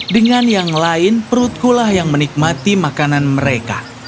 dengan yang lain perutkulah yang menikmati makanan mereka